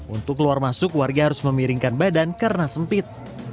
untuk keluar masuk warga harus memiringkan badan karena sempit